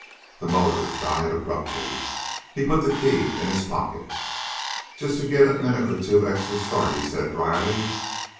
The motor died abruptly. He put the key in his pocket. "Just to get a minute or two extra start," he said dryly.